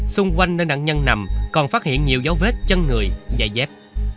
xung quanh nơi nạn nhân nằm còn phát hiện nhiều dấu vết chân người già dép